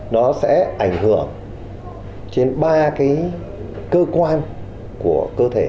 nó sẽ ảnh hưởng trên ba cái cơ quan của cơ thể